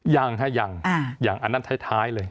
ยังค่ะยังยังอันนั้นท้ายเลย